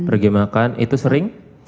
pergi makan itu sering